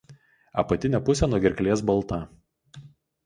Apatinė pusė nuo gerklės balta.